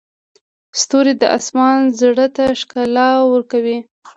ستوري د اسمان زړه ته ښکلا ورکوي.